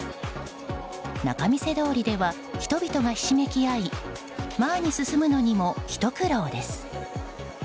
仲見世通りでは人々がひしめき合い前に進むのにもひと苦労です。